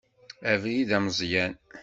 Abrid ameẓyan.